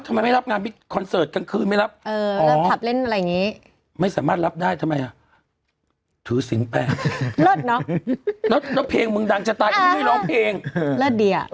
ไม่มีที่กลัวให้อีกไปกินให้เต้นกินเลย